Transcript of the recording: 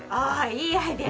いいアイデア。